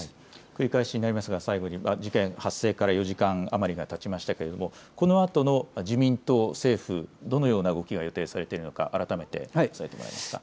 繰り返しになりますが事件発生から４時間余りがたちましたけれども、このあとの自民党、政府どのような動きが予定されているのか、改めて教えてもらえますか。